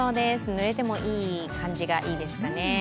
ぬれてもいい感じがいいですかね。